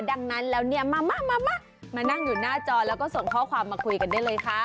ดังนั้นแล้วมามานั่งอยู่หน้าจอส่งข้อความมาคุยกันเลยค่ะ